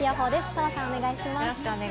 澤さん、お願いします。